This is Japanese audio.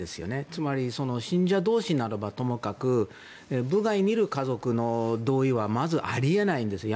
つまり、信者同士ならばともかく部外にいる家族の同意はまずあり得ないんですよ。